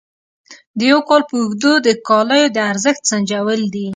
د یو کال په اوږدو د کالیو د ارزښت سنجول دي.